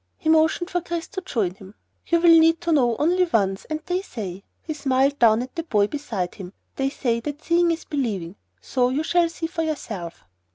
He motioned for Chris to join him. "You will need to know only once and they say " he smiled down at the boy beside him " they say that seeing is believing, so you shall see for yourself."